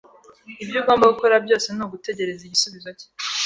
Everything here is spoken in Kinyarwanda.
Ibyo ugomba gukora byose ni ugutegereza igisubizo cye.